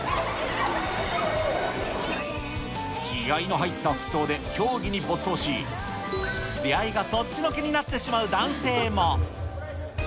気合いの入った服装で競技に没頭し、出会いがそっちのけになってしまう男性も。